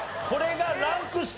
これがランク３？